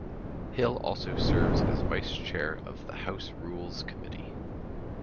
Hill also serves as vice chair of the House Rules Committee.